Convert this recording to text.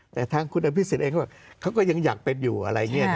แต่ทางคุณอภิษฐศิลป์เองก็ว่าเขาก็ยังอยากเป็นอยู่อะไรเงี้ย